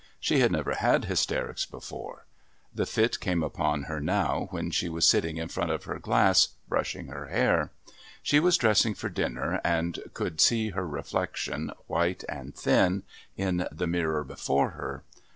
She had never had hysterics before; the fit came upon her now when she was sitting in front of her glass brushing her hair. She was dressing for dinner and could see her reflection, white and thin, in the mirror before her.